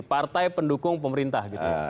partai pendukung pemerintah